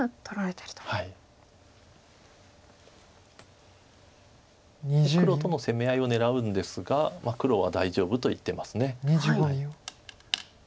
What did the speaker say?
黒との攻め合いを狙うんですが黒は大丈夫と言ってます。